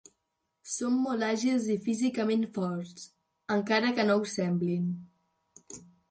Són molt àgils i físicament forts, encara que no ho semblin.